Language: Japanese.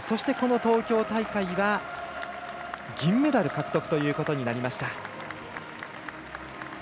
東京大会は銀メダル獲得ということになりました。